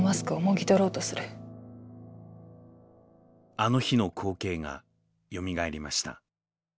あの日の光景がよみがえりました。